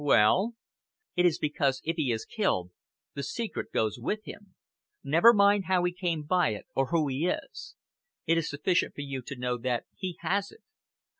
"Well?" "It is because if he is killed the secret goes with him. Never mind how he came by it, or who he is. It is sufficient for you to know that he has it.